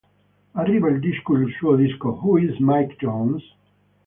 Arriva il disco il suo disco "Who is Mike Jones?".